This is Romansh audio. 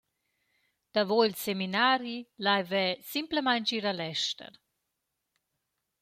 Davo il Seminari laiv eu simplamaing ir a l’ester.